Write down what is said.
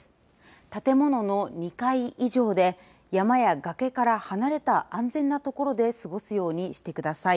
建物の２階以上で山や崖から離れた安全な所で過ごすようにしてください。